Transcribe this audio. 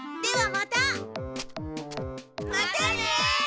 またね！